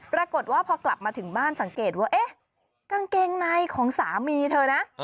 ปรากฏว่าพอกลับมาถึงบ้านสังเกตว่าเอ๊ะกางเกงในของสามีเธอนะ